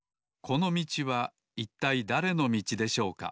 このみちはいったいだれのみちでしょうか？